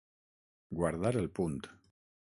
Guardar el punt.